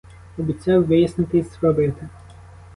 Обіцяв вияснити й зробити.